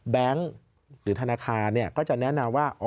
แบงค์หรือธนาคาก็จะแนะนำว่า